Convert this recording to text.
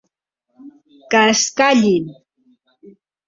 Que es callin.